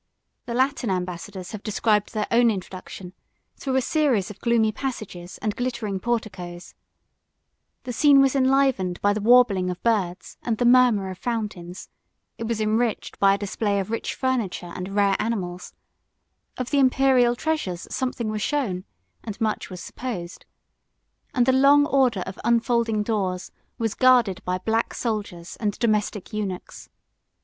The Latin ambassadors 41 have described their own introduction, through a series of gloomy passages, and glittering porticos: the scene was enlivened by the warbling of birds and the murmur of fountains: it was enriched by a display of rich furniture and rare animals; of the Imperial treasures, something was shown, and much was supposed; and the long order of unfolding doors was guarded by black soldiers and domestic eunuchs.